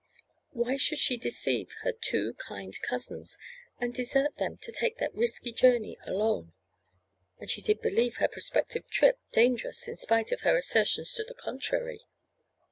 Why should she deceive her two kind cousins, and desert them to take that risky journey alone? And she did believe her prospective trip dangerous in spite of her assertions to the contrary.